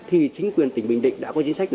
thì chính quyền tỉnh bình định đã có chính sách